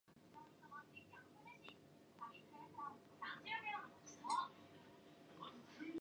Leah gives birth to a girl and Sally and Flynn name her Pippa.